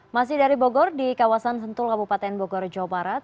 masih dari bogor di kawasan sentul kabupaten bogor jawa barat